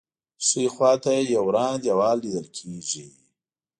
ښی خوا ته یې یو وران دیوال لیدل کېږي.